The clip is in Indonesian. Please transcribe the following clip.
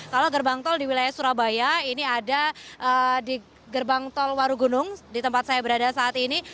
kalau gerbang tol di wilayah surabaya ini ada di gerbang tol warugunung di tempat saya berada saat ini